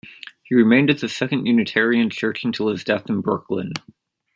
He remained at the Second Unitarian Church until his death in Brooklyn.